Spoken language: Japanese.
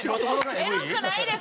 エロくないです。